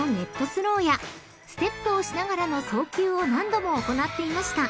スローやステップをしながらの送球を何度も行っていました］